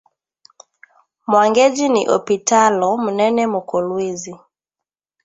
Mwangeji ni opitalo munene mu kolwezi